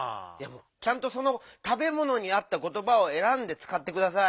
ちゃんとそのたべものにあったことばをえらんでつかってください。